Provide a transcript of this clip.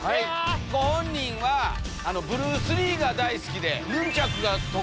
ご本人はブルース・リーが大好きで。